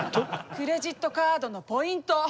クレジットカードのポイント！